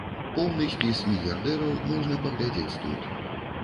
Поўны спіс мільярдэраў можна паглядзець тут.